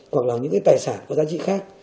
hoặc là những cái tài sản có giá trị khác